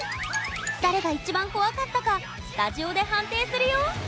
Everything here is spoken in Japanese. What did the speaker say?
誰が一番怖かったかスタジオで判定するよ